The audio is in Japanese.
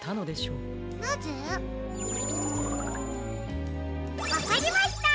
うんわかりました！